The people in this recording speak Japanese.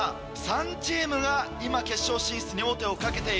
３チームが今決勝進出に王手をかけている。